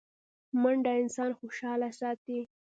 منډه انسان خوشحاله ساتي